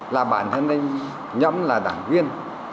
là bản thân anh nhóm là đảng viên